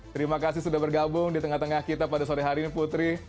terima kasih sudah bergabung di tengah tengah kita pada sore hari ini putri